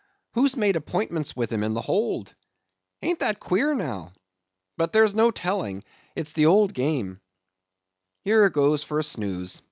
Who's made appointments with him in the hold? Ain't that queer, now? But there's no telling, it's the old game—Here goes for a snooze.